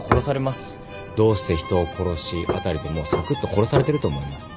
「どうして人を殺し」辺りでもうさくっと殺されてると思います。